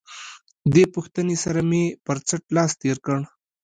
دې پوښتنې سره مې پر څټ لاس تېر کړ.